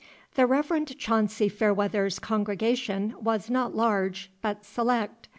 The Reverend Chauncy Fairweather's congregation was not large, but select.